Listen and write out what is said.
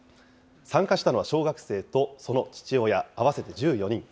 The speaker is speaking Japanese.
参加したのは小学生と、その父親、合わせて１４人。